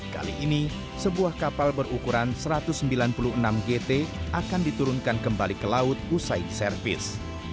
kali ini sebuah kapal berukuran satu ratus sembilan puluh enam gt akan diturunkan kembali ke laut usai diservis